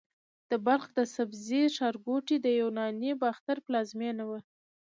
د بلخ د سبزې ښارګوټي د یوناني باختر پلازمېنه وه